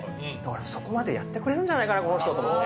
そこまでやってくれるんじゃないかな、この人と思って。